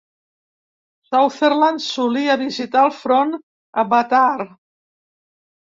Sutherland solia visitar el front a Bataar.